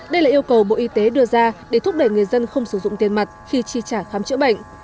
đây là yêu cầu bộ y tế đưa ra để thúc đẩy người dân không sử dụng tiền mặt khi chi trả khám chữa bệnh